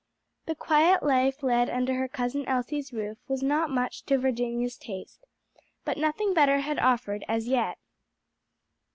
The quiet life led under her cousin Elsie's roof was not much to Virginia's taste, but nothing better had offered as yet.